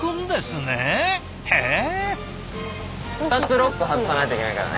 ロック外さないといけないからね。